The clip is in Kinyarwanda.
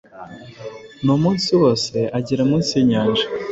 Ni umunsi wose agera munsi yinyanja